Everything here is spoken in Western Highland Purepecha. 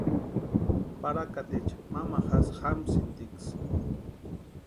Parakatecha mamajasï jamsïntiksï.